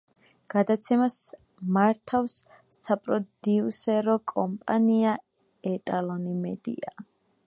გადაცემას მართვას საპროდიუსერო კომპანია „ეტალონი მედია“.